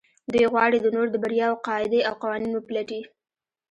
دوی غواړي د نورو د برياوو قاعدې او قوانين وپلټي.